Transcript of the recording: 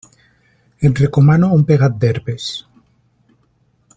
Et recomano un pegat d'herbes.